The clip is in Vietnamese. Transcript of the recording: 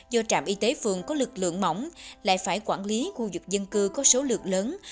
do trạm y tế phường có lực lượng mỏng lại phải quản lý khu vực dân cư có số lượng lớn